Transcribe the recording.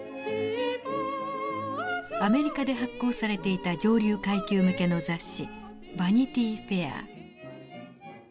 アメリカで発行されていた上流階級向けの雑誌「ヴァニティー・フェア」。